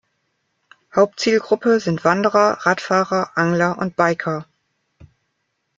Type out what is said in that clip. Hauptzielgruppe sind Wanderer, Radfahrer, Angler und Biker.